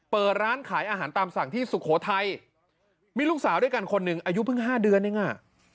เปิดร้านขายอาหารตามสั่งที่สุโขทัยมีลูกสาวด้วยกันคนหนึ่งอายุเพิ่ง๕เดือนเองอ่ะ